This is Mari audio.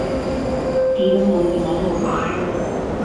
Тидым мондыман огыл.